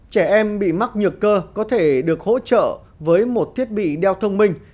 trẻ em bị mắc nhược cơ có thể được hỗ trợ với một thiết bị đeo thông minh